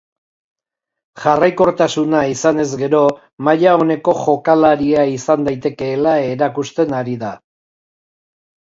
Jarraikortasuna izanez gero maila oneko jokalaria izan daitekeela erakusten ari da.